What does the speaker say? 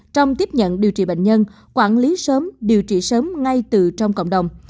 trong tiếp nhận điều trị bệnh nhân quản lý sớm điều trị sớm ngay từ trong cộng đồng